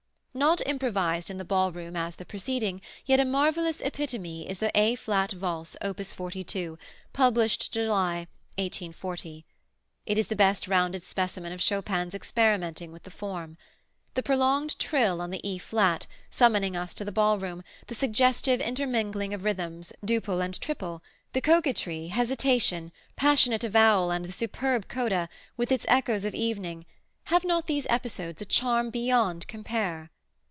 Not improvised in the ballroom as the preceding, yet a marvellous epitome is the A flat Valse, op. 42, published July, 1840. It is the best rounded specimen of Chopin's experimenting with the form. The prolonged trill on E flat, summoning us to the ballroom, the suggestive intermingling of rhythms, duple and triple, the coquetry, hesitation, passionate avowal and the superb coda, with its echoes of evening have not these episodes a charm beyond compare?